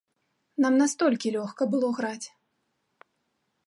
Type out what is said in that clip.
Нам настолькі лёгка было граць.